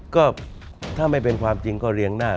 ก็ถ้าไม่เป็นความจริงก็เรียงหน้า